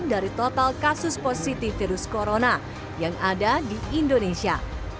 dari total kasus positif virus corona yang ada di indonesia